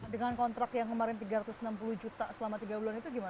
dengan kontrak yang kemarin tiga ratus enam puluh juta selama tiga bulan itu gimana